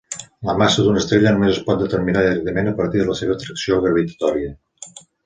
La massa d'una estrella només es pot determinar directament a partir de la seva atracció gravitatòria.